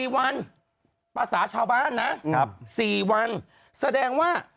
๔วันภาษาชาวบ้านนะ๔วันแสดงว่า